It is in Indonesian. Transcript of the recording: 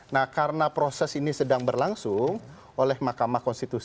nah karena proses ini sedang berlangsung oleh mk